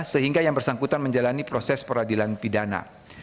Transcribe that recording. sehingga yang bersangkutan menjalani proses peradilan pidana